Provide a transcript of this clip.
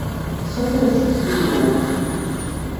څه پېښ شوي وو.